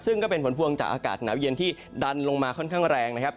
ซึ่งก็เป็นผลพวงจากอากาศหนาวเย็นที่ดันลงมาค่อนข้างแรงนะครับ